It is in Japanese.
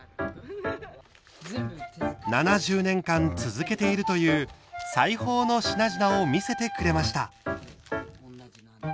７０年間、続けているという裁縫の品々を見せてくれました。